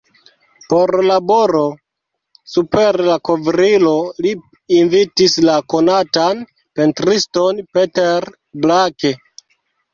Por laboro super la kovrilo li invitis la konatan pentriston Peter Blake.